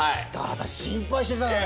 私心配してたのよ。